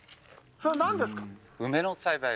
それは何ですか。